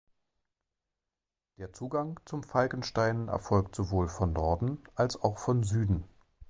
Der Zugang zum Falkenstein erfolgt sowohl von Norden als auch von Süden.